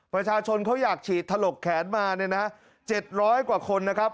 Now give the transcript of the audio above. ประชาชนเขาอยากฉีดถลกแขนมาเนี่ยนะ๗๐๐กว่าคนนะครับ